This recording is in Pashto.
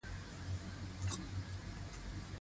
ځنګل د ژوو پناه ځای دی.